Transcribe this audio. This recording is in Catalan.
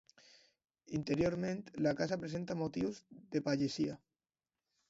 Interiorment la casa presenta motius de pagesia.